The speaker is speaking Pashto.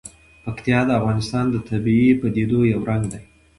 پکتیکا د افغانستان د طبیعي پدیدو یو رنګ دی.